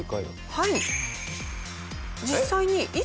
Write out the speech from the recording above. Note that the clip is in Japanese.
はい。